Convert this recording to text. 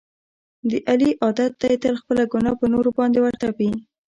د علي عادت دی تل خپله ګناه په نورو باندې ور تپي.